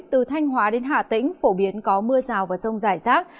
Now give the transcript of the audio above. từ thanh hóa đến hạ tĩnh phổ biến có mưa rào và rông dài rác